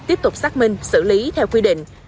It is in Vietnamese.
tiếp tục xác minh xử lý theo quy định